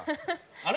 あれ？